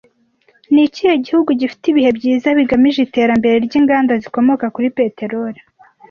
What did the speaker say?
Ni ikihe gihugu gifite ibihe byiza bigamije iterambere ry’inganda zikomoka kuri peteroli